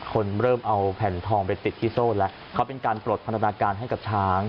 คนเริ่มเอาแผ่นทองไปติดที่โซ่แล้วเขาเป็นการปลดพันธนาการให้กับช้าง